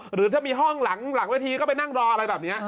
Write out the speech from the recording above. หรือถ้ามีห้องหลังเวทีก็ไปนั่งรออะไรแบบนี้